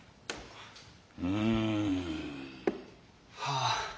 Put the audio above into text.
うん。はあ。